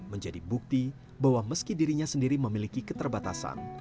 menjadi bukti bahwa meski dirinya sendiri memiliki keterbatasan